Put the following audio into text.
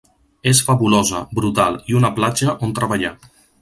És fabulosa, brutal i una platja on treballar.